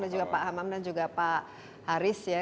dan juga pak hamam dan juga pak haris ya